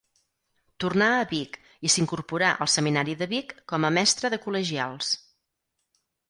Tornà a Vic i s'incorporà al Seminari de Vic com a mestre de col·legials.